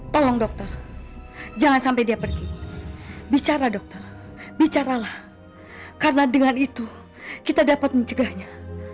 tolong dokter jangan sampai dia pergi bicara dokter bicaralah karena dengan itu kita dapat mencegahnya